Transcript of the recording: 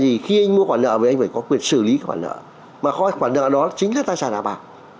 khi anh mua quản nợ thì anh phải có quyền xử lý quản nợ mà quản nợ đó chính là tài sản đảm bảo